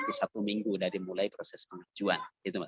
jadi satu minggu sudah dimulai proses pengajuan